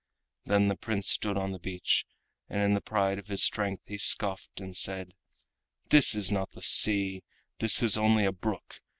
Then the Prince stood on the beach, and in the pride of his strength he scoffed and said: "This is not the sea! This is only a brook!